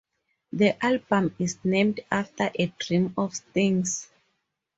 The album is named after a dream of Sting's.